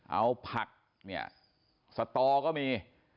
เอาผักศตก็มี